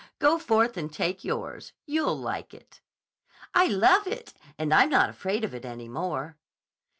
Go forth and take yours. You'll like it." "I love it! And I'm not afraid of it any more."